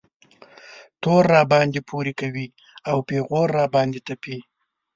تور راباندې پورې کوي او پېغور را باندې تپي.